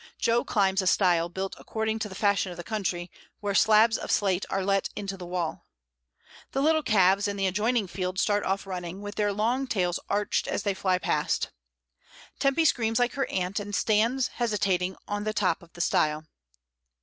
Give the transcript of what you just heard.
Jo climbs a stile built according to the fashion of the country, where slabs of slate are let into the wall. The little calves in the adjoining field start off running, with their long tails arched as they fly past Tempy screams like her aunt, and stands, hesitating, on the top of the stile.